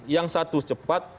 yang satu cepat